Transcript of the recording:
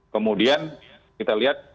kemudian kita lihat